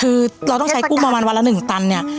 คือเราต้องใช้กุ้งประมาณวันละ๑ตันเนี่ย